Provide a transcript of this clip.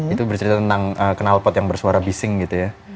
itu bercerita tentang kenalpot yang bersuara bising gitu ya